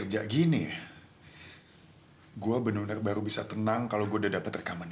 jangan sampai milo bisa melihat dia